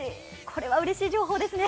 これはうれしい情報ですね。